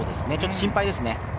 心配です。